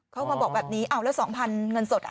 เขามาบอกแบบนี้เอาแล้ว๒๐๐๐เงินสด